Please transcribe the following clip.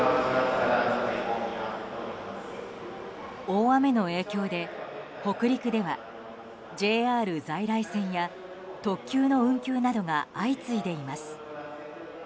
大雨の影響で北陸ではＪＲ在来線や特急の運休などが相次いでいます。